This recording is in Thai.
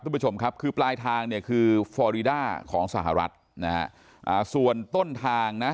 คุณผู้ชมครับคือปลายทางเนี่ยคือฟอรีด้าของสหรัฐนะฮะอ่าส่วนต้นทางนะ